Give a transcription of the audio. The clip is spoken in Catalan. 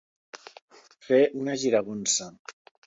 Fer una giragonsa.